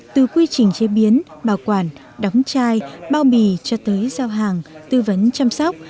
từ quy trình chế biến bảo quản đóng chai bao bì cho tới giao hàng tư vấn chăm sóc